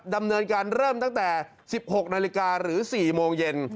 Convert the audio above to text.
ดำเนินการเริ่มตั้งแต่๑๖นาฬิกาหรือ๔โมงเย็น